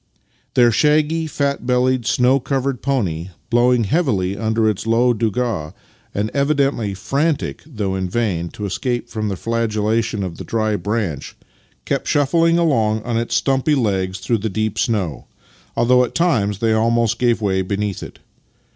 Their shaggy, fat bellied, snow covered pony, blowing heavily under its low douga, and evidently frantic (though in vain) to escape from the flagellation of the dry branch, kept shuffling along on its stumpy 20 Master and Man legs through the deep snow, although at times they almost gave way beneath it.